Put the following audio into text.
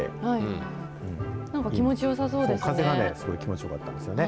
なんか、気持ちよさそうですね。